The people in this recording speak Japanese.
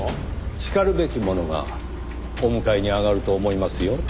しかるべき者がお迎えに上がると思いますよ。